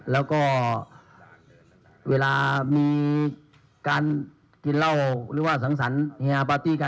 แล้วก็เวลามีการกินเหล้าหรือว่าสังสรรค์